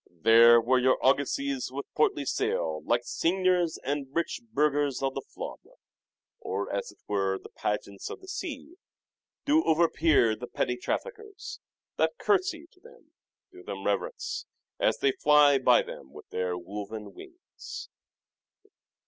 " There where your argosies with portly sail, Like signiors and rich burghers of the flood, Or, as it were, the pageants of the sea, MANHOOD OF DE VERE 361 Do overpeer the petty traffickers, That curtsey to them, do them reverence, As they fly by them with their woven wings."